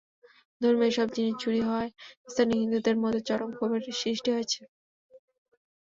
ধর্মীয় এসব জিনিস চুরি হওয়ায় স্থানীয় হিন্দুদের মধ্যে চরম ক্ষোভের সৃষ্টি হয়েছে।